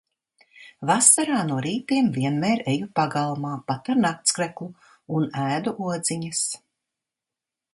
Vasarā no rītiem vienmēr eju pagalmā pat ar naktskreklu un ēdu odziņas.